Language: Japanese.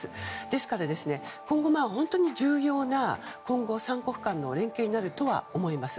ですから、今後、本当重要な３国間の連携になるとは思います。